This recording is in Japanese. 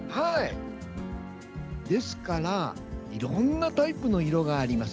ですからいろんなタイプの色があります。